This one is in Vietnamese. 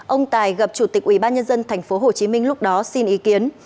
ông tài gặp chủ tịch ubnd tp hcm lúc đó xin ý kiến